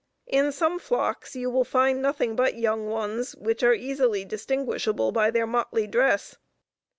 In some flocks you will find nothing but young ones, which are easily distinguishable by their motley dress.